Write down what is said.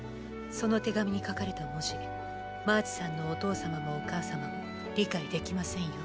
その手紙に書かれた文字マーチさんのお父様もお母様も理解できませんよ。